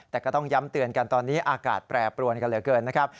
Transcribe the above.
แต่ก็ต้องย้ำเตือนกันตอนนี้อากาศแปรปรวนกันเหลือเกินนะครับ